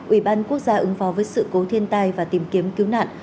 ubnd quốc gia ứng phó với sự cố thiên tai và tìm kiếm cứu nạn